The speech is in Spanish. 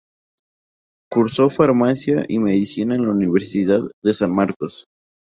Cursó Farmacia y Medicina en la Universidad de San Marcos.